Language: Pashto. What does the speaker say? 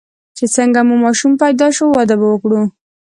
چې څنګه مو ماشوم پیدا شو، واده به وکړو.